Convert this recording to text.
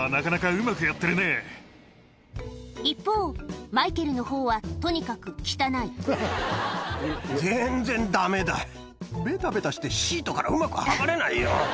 一方マイケルのほうはとにかく汚いベタベタしてシートからうまく剥がれないよ。